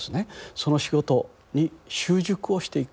その仕事に習熟をしていく。